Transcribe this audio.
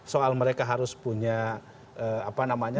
soal mereka harus punya apa namanya